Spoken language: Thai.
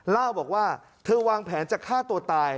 เล่าบอกว่าเธอวางแผนจะฆ่าตัวตาย